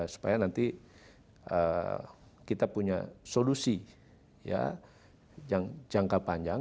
supaya nanti kita punya solusi yang jangka panjang